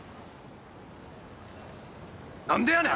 何でやねん！